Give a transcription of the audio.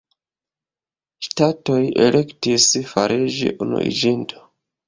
Ŝtatoj elektis fariĝi unuiĝinto.